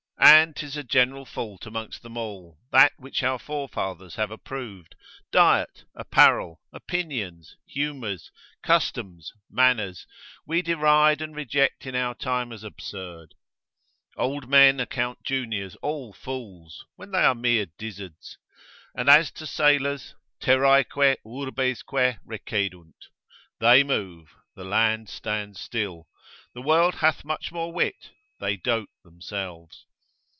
And 'tis a general fault amongst them all, that which our forefathers have approved, diet, apparel, opinions, humours, customs, manners, we deride and reject in our time as absurd. Old men account juniors all fools, when they are mere dizzards; and as to sailors, ———terraeque urbesque recedunt——— they move, the land stands still, the world hath much more wit, they dote themselves.